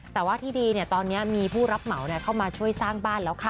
แต่ว่าที่ดีตอนนี้มีผู้รับเหมาเข้ามาช่วยสร้างบ้านแล้วค่ะ